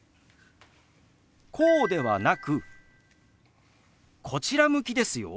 こうではなくこちら向きですよ。